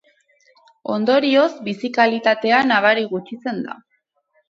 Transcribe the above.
Ondorioz, bizi kalitatea nabari gutxitzen da.